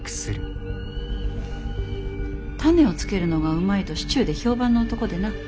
種をつけるのがうまいと市中で評判の男でな。